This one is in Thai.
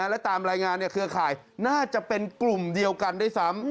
และตามรายงานเครือข่ายน่าจะเป็นกลุ่มเดียวกันด้วยซ้ำ